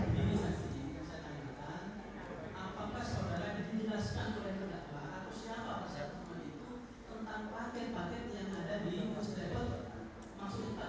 kemudian memproseskan oleh video dan lain lain